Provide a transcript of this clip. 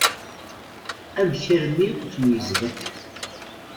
Amek armi tmeyyzeḍ akken?